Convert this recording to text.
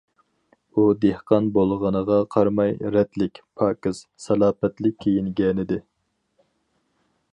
ئۇ «دېھقان» بولغىنىغا قارىماي، رەتلىك، پاكىز، سالاپەتلىك كىيىنگەنىدى.